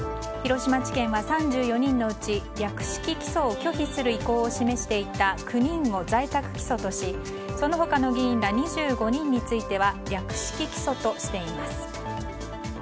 広島地検は３４人のうち略式起訴を拒否する意向を示していた９人を在宅起訴としその他の議員ら２５人については略式起訴としています。